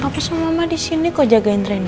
apa apa sama mama di sini kok jagain rinda